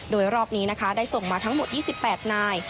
โดยรอบนี้นะคะได้ส่งมาทั้งหมด๒๘นาย